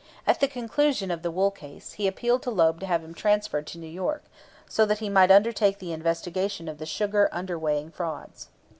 At the conclusion of the wool case, he appealed to Loeb to have him transferred to New York, so that he might undertake the investigation of the sugar underweighing frauds.